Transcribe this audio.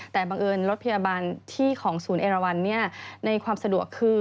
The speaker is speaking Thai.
แต่บังเอิญรถพยาบาลที่ของศูนย์เอราวันในความสะดวกคือ